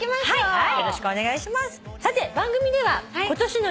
はい。